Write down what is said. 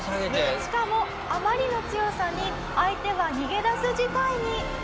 しかもあまりの強さに相手が逃げ出す事態に。